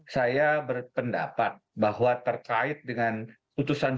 saya berpendapat bahwa terkait dengan putusan sembilan puluh ini